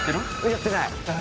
やってない。